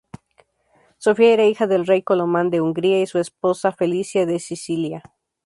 Sofía era hija del rey Colomán de Hungría y su esposa Felicia de Sicilia.